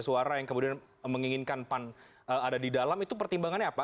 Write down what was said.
suara yang kemudian menginginkan pan ada di dalam itu pertimbangannya apa